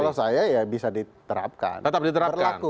kalau saya ya bisa diterapkan